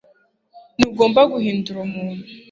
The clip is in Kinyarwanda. ntugomba guhindura umuntu